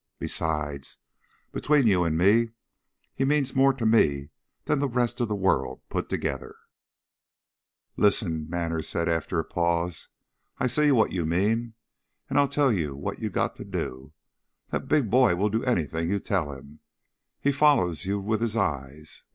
Besides, between you and me, he means more to me than the rest of the world put together." "Listen," said Manners, after a pause. "I see what you mean and I'll tell you what you got to do. That big boy will do anything you tell him. He follers you with his eyes.